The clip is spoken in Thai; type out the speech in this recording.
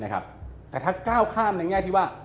แต่ถ้าก้าวข้ามในแง่ที่ว่า